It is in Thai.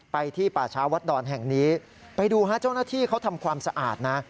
ที่ป่าช้าวัดดอนแห่งนี้ไปดูฮะเจ้าหน้าที่เขาทำความสะอาดนะ